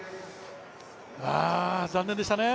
あ残念でしたね。